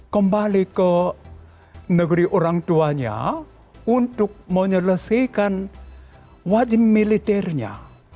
kembali ke negeri orang tuanya untuk menyelesaikan wajib militernya